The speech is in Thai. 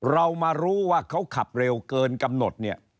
เรามารู้ว่าเขาขับเร็วเกินกำหนดเนี่ย